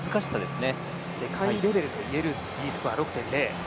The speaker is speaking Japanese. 世界レベルといえるＤスコア、６．０。